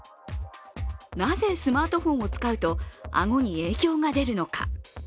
なぜ、スマートフォンを使うと顎に影響が出るのか。